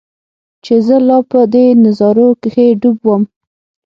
چې زۀ لا پۀ دې نظارو کښې ډوب ووم